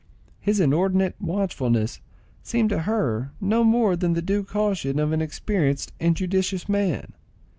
His inordinate watchfulness seemed to her no more than the due caution of an experienced and judicious man.